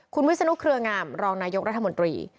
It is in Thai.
คุณวิศนุเครืองามรองนายกรัฐมนตรี